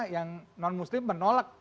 yang non muslim menolak